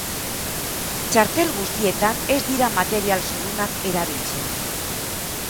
Txartel guztietan ez dira material zurrunak erabiltzen.